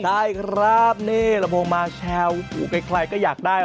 ได้ครับนี่หลัมพงมาเชลด์อู้วใครก็อยากได้